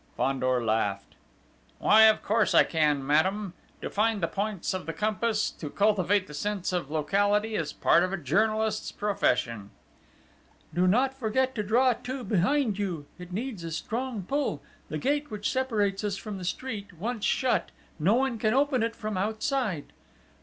Fandor laughed. "Why, of course I can, madame! To find the points of the compass, to cultivate the sense of locality, is part of a journalist's profession." "Do not forget to draw to behind you it needs a strong pull the gate which separates us from the street: once shut, no one can open it from outside."